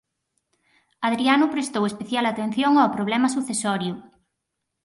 Hadriano prestou especial atención ao problema sucesorio.